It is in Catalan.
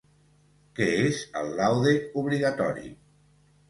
Què és el laude obligatori?